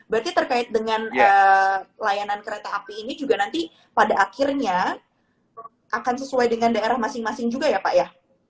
berarti terkait dengan layanan kereta api ini juga nanti pada akhirnya akan sesuai dengan daerah masing masing juga ya pak ya